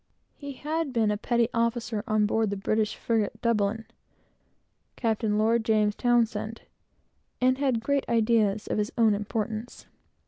He had been a petty officer on board the British frigate Dublin, Capt. Lord James Townshend, and had great ideas of his own importance.